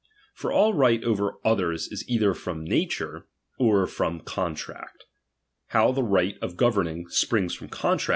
For all right over others is either from nature, or from contract. How the right of governing springs from ^°^*^"^^